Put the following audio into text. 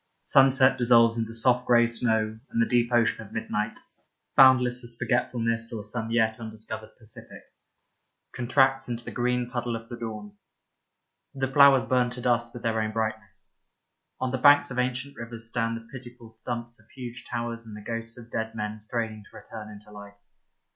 Sunset dissolves into soft grey snow and the deep ocean of midnight, boundless as forgetfulness or some yet undiscovered Pacific, contracts into the green puddle of the dawn. The flowers burn to dust with their own brightness. On the banks of ancient rivers stand the pitiful stumps of huge towers and the ghosts of dead men straining to return into life.